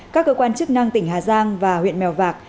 các cơ quan chức năng tỉnh hà giang và huyện mèo vạc